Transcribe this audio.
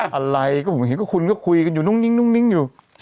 อะไรก็ผมเห็นว่าคุณก็คุยกันอยู่นุ่มนิ่งนุ่มนิ่งอยู่